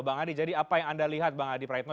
bang adi jadi apa yang anda lihat bang adi praitno